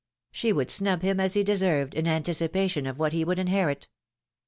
She would snub him as he deserved — in anticijiation of what he would inherit.